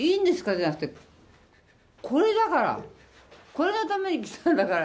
じゃなくて、これだから。これのために来たんだから！